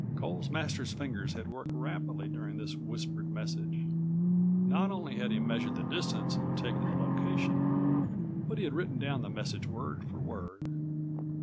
Coles Masters' fingers had worked rapidly during this whispered message. Not only had he measured the distance and taken the location, but he had written down the message word for word.